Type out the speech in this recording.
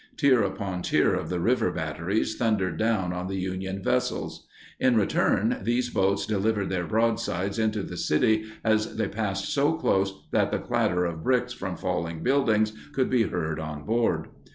Tier upon tier of the river batteries thundered down on the Union vessels. In return, these boats delivered their broadsides into the city as they passed so close that the clatter of bricks from falling buildings could be heard on board.